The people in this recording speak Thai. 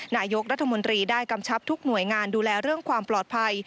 นายกรัฐมนตรีได้กำชับทุกหน่วยงานดูแลเรื่องความปลอดภัย